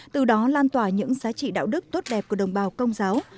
từ đó lan tỏa những giá trị đạo đức tốt đẹp của đồng bào công giáo